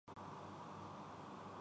رب روپے سے زائد کی بجلی چوری ہوئی